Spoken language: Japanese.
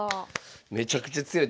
めちゃくちゃ強い。